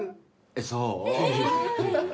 そう？